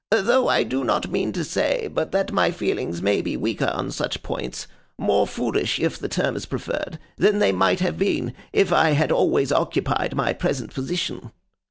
Though I do not mean to say but that my feelings may be weaker on such points—more foolish if the term is preferred—than they might have been, if I had always occupied my present position.